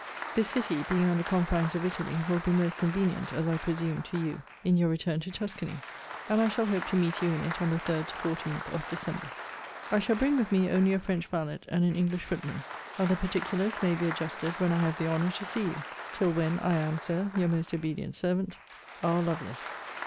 This city, being on the confines of Italy, will be most convenient, as I presume, to you, in your return to Tuscany; and I shall hope to meet you in it on the 3/14th of December. I shall bring with me only a French valet and an English footman. Other particulars may be adjusted when I have the honour to see you. Till when, I am, Sir, Your most obedient servant, R. LOVELACE.